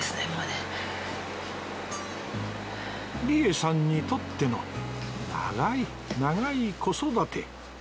理恵さんにとっての長い長い子育て